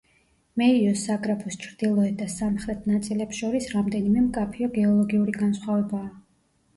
მეიოს საგრაფოს ჩრდილოეთ და სამხრეთ ნაწილებს შორის რამდენიმე მკაფიო გეოლოგიური განსხვავებაა.